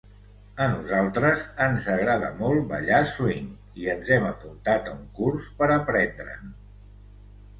A nosaltres ens agrada molt ballar swing i ens hem apuntat a un curs per aprendre'n.